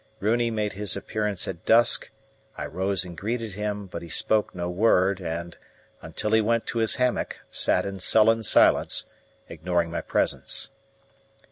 Runi made his appearance at dusk. I rose and greeted him, but he spoke no word and, until he went to his hammock, sat in sullen silence, ignoring my presence.